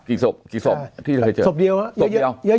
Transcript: ศพกี่ศพที่เคยเจอศพเดียวศพเดียว